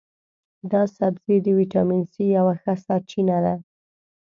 دا سبزی د ویټامین سي یوه ښه سرچینه ده.